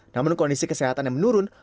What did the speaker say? namun kondisi kesehatan yang menurun